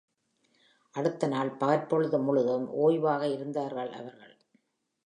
அடுத்த நாள் பகற்பொழுது முழுதும் ஒய்வாக இருந்தார்கள் அவர்கள்.